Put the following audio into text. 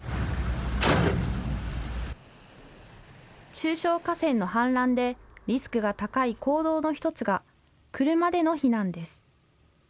中小河川の氾濫でリスクが高い行動の１つが車での避難です。